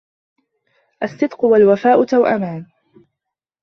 الصِّدْقُ وَالْوَفَاءُ تَوْأَمَانِ